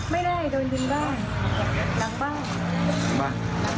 ไม่ได้โดนยิงบ้านหลังบ้าน